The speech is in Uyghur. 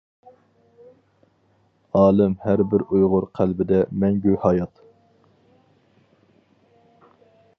ئالىم ھەر بىر ئۇيغۇر قەلبىدە مەڭگۈ ھايات!